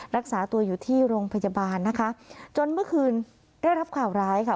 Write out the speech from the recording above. รักษาตัวอยู่ที่โรงพยาบาลนะคะจนเมื่อคืนได้รับข่าวร้ายค่ะ